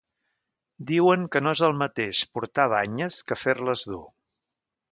Diuen que no és el mateix portar banyes que fer-les dur.